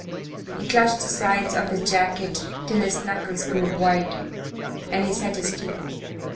He clutched the sides of his jacket till his knuckles grew white, and he set his teeth.